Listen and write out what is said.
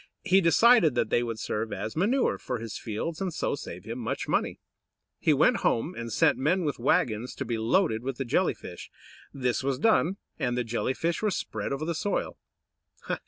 He decided that they would serve as manure for his fields, and so save him much money. He went home, and sent men with wagons to be loaded with the Jelly fish. This was done, and the Jelly fish were spread over the soil.